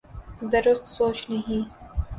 درست سوچ نہیں۔